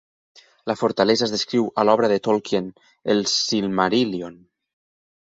La fortalesa es descriu a l'obra de Tolkien "El Silmaríl·lion".